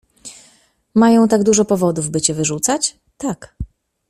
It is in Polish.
— Mają tak dużo powodów, by cię wyrzucać? — Tak.